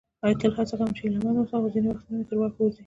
تل هڅه کوم چې هیله مند واوسم، خو ځینې وختونه مې تر واک ووزي.